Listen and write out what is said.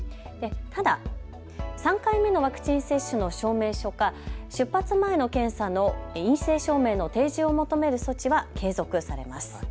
ただ３回目のワクチン接種の証明書か出発前の検査の陰性証明の提示を求める措置は継続されます。